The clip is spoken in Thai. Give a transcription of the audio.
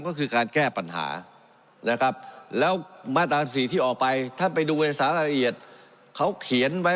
ก็คือการแก้ปัญหานะครับแล้วมาตรา๑๔ที่ออกไปท่านไปดูในสารละเอียดเขาเขียนไว้